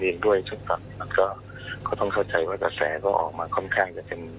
เองด้วยทั้งก็ต้องเข้าใจว่าแสงก็ออกมาค่อนข้างจะเป็น